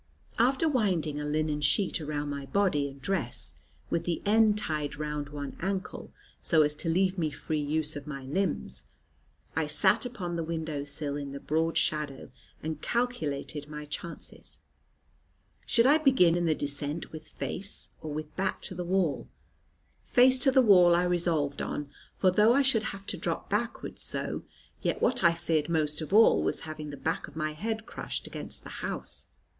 After winding a linen sheet around my body and dress, with the end tied round one ankle, so as to leave me free use of my limbs, I sat upon the window sill in the broad shadow, and calculated my chances. Should I begin the descent with face, or with back, to the wall? Face to the wall I resolved on, for though I should have to drop backward so, yet what I feared most of all was having the back of my head crushed against the house.